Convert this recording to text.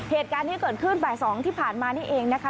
เหตุการณ์ที่เกิดขึ้นบ่าย๒ที่ผ่านมานี่เองนะคะ